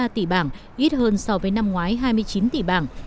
bốn mươi ba tỷ bảng ít hơn so với năm ngoái hai mươi chín tỷ bảng